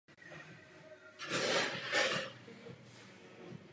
Čeho jiného než prosazování sankcí bychom těmito usneseními mohli dosáhnout?